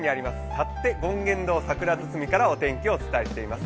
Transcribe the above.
幸手権現堂桜堤からお天気をお伝えしています。